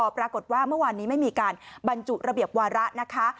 ปรากฏว่าเมื่อวานนี้ไม่มีการบรรจุระเบียบวาระนะคะ